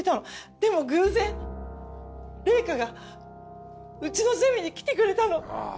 でも偶然玲香がうちのゼミに来てくれたの。